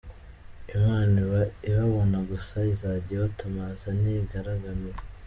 Imana iba ibabona gusa izajya ibatamaza nigaramiye.